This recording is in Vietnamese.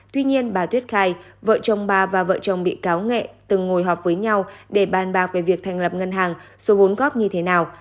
tuy nhiên bà tuyết khai vợ chồng bà và vợ chồng bị cáo nghệ từng ngồi họp với nhau để bàn bạc về việc thành lập ngân hàng số vốn góp như thế nào